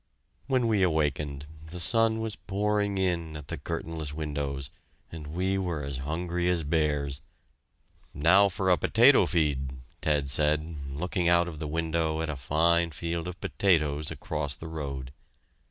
When we awakened, the sun was pouring in at the curtainless windows, and we were as hungry as bears. "Now for a potato feed," Ted said, looking out of the window at a fine field of potatoes across the road.